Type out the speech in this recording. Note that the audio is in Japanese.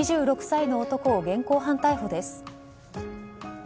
２６歳の男を現行犯逮捕です。